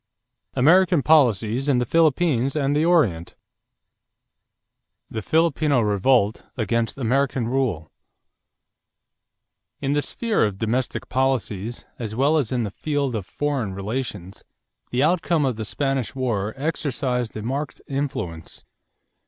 AMERICAN POLICIES IN THE PHILIPPINES AND THE ORIENT =The Filipino Revolt against American Rule.= In the sphere of domestic politics, as well as in the field of foreign relations, the outcome of the Spanish war exercised a marked influence.